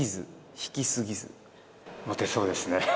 モテそうですね。